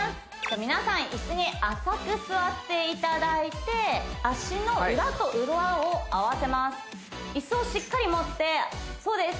皆さん椅子に浅く座っていただいて足の裏と裏を合わせます椅子をしっかり持ってそうです